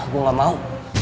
gue gak mau